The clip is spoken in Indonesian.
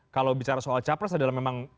kalau bicara soal capres adalah memang